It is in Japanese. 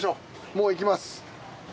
もう行きます。